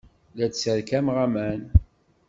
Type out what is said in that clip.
La d-sserkameɣ aman.